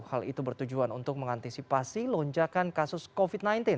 hal itu bertujuan untuk mengantisipasi lonjakan kasus covid sembilan belas